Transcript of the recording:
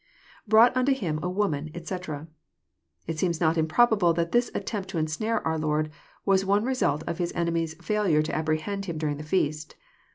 [^Brought unto Him a womaur etc.'] It seems not improbable that this attempt to ensnare our Lord was one result of His ene mies' failure to apprehend Him during the feast.